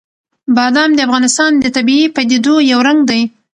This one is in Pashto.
بادام د افغانستان د طبیعي پدیدو یو رنګ دی.